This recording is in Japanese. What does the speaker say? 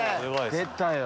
出たよ。